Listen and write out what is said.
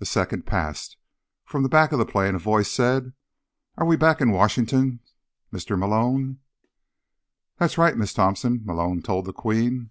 A second passed. From the back of the plane a voice said: "Are we back in Washington, S—Mr. Malone?" "That's right, Miss Thompson," Malone told the Queen.